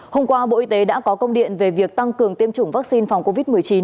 hôm qua bộ y tế đã có công điện về việc tăng cường tiêm chủng vaccine phòng covid một mươi chín